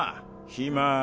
暇。